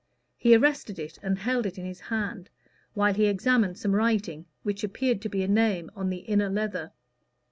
He arrested it and held it in his hand, while he examined some writing, which appeared to be a name on the inner leather.